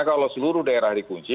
kalau seluruh daerah dikunci